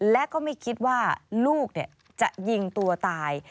และก็ไม่คิดว่าลูกจะยิงตัวตาย